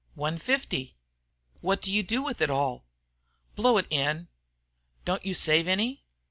"One fifty." "What do you do with it all?" "Blow it in." "Don't you save any?"